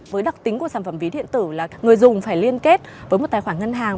với đặc tính của sản phẩm ví điện tử là người dùng phải liên kết với một tài khoản ngân hàng